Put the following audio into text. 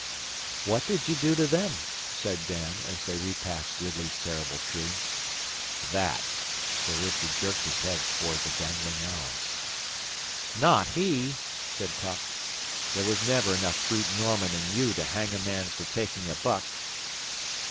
'What did you do to them?' said Dan, as they repassed Ridley's terrible tree. 'That!' Sir Richard jerked his head toward the dangling owls. 'Not he!' said Puck. 'There was never enough brute Norman in you to hang a man for taking a buck.